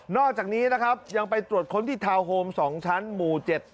อกจากนี้นะครับยังไปตรวจค้นที่ทาวน์โฮม๒ชั้นหมู่๗